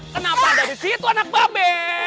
kenapa ada di situ anak babe